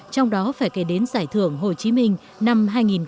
trong đó phải kể đến giải thưởng hồ chí minh năm hai nghìn một mươi chín